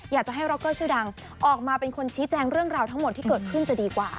อยากจะให้ร็อกเกอร์ชื่อดังออกมาเป็นคนชี้แจงเรื่องราวทั้งหมดที่เกิดขึ้นจะดีกว่า